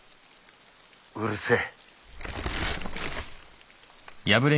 うるせえ。